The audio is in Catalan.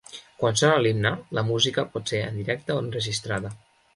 Quan sona l'himne, la música pot ser en directe o enregistrada.